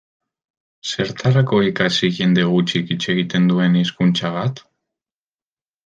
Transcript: Zertarako ikasi jende gutxik hitz egiten duen hizkuntza bat?